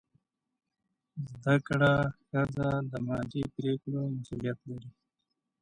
زده کړه ښځه د مالي پریکړو مسؤلیت لري.